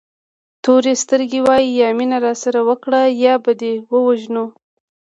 تورې سترګې وایي یا مینه راسره وکړه یا به دې ووژنو.